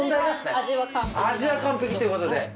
味は完璧ということで。